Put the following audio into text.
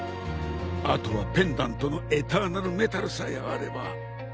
あとはペンダントのエターナルメタルさえあれば。